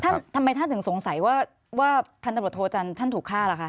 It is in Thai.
ท่านทำไมท่านผิดสงสัยว่าพันธบทจรรย์ท่านถูกฆ่าละคะ